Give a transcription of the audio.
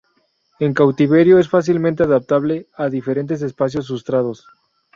En cautiverio es fácilmente adaptable a diferentes espacios y sustratos.